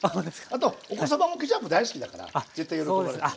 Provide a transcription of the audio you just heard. あとお子様もケチャップ大好きだから絶対喜ばれます。